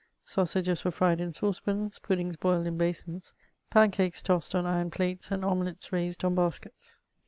Sausages were fried in saucepans, ^'puddings boiled in basins, pancakes tossed on iron plates, and omelettes raised on baskets.